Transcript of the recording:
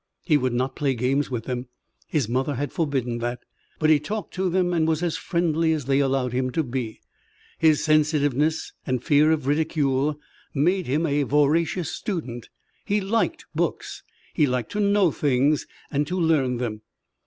He would not play games with them his mother had forbidden that. But he talked to them and was as friendly as they allowed him to be. His sensitiveness and fear of ridicule made him a voracious student. He liked books. He liked to know things and to learn them.